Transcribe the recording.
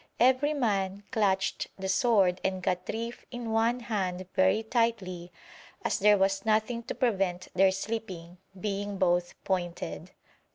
Every man clutched the sword and ghatrif in one hand very tightly as there was nothing to prevent their slipping, being both pointed.